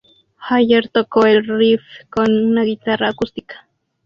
Jagger tocó el riff con una guitarra acústica.